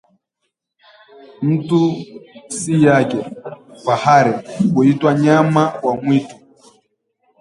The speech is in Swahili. Mtu si yake fakhari, kuitwa nyama wa mwitu